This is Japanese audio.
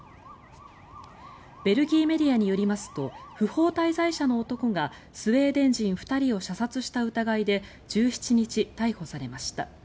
ベルギーメディアによりますと不法滞在者の男がスウェーデン人２人を射殺した疑いで１７日、逮捕されました。